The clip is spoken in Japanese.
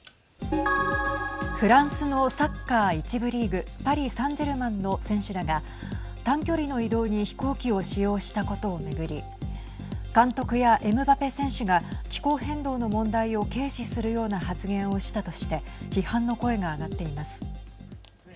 フランスのサッカー１部リーグパリサンジェルマンの選手らが短距離の移動に飛行機を使用したことを巡り監督やエムバペ選手が気候変動の問題を軽視するような発言をしたとして批判の声が上がっています。